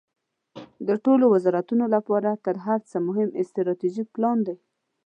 د ټولو وزارتونو لپاره تر هر څه مهم استراتیژیک پلان ده.